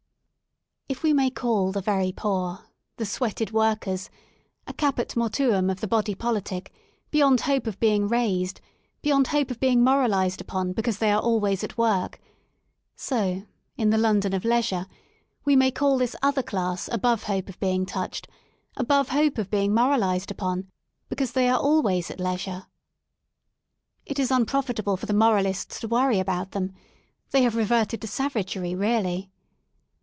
If we may call the very poor — the sweated workers — a caput mortuum of the body politic, beyond hope of being raised, beyond hope of being moralized upon because they are always at work : so, in the London of Leisure we may call this other class above hope of being touched, above hope of being moralised upon — because they are always at leisure. It is unprofitable for the moralists to worry about them : they have re verted to savagery, really.